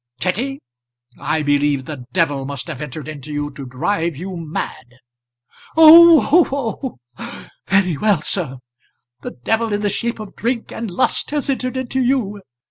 "Kitty, I believe the devil must have entered into you to drive you mad." "Oh, oh, oh! very well, sir. The devil in the shape of drink and lust has entered into you.